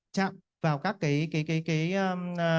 chạm vào các cái